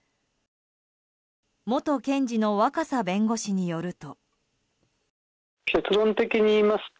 元検事の若狭弁護士によると。